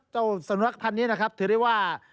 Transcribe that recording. เจ้าสุนัขพันธ์นี้นะครับถือได้ว่า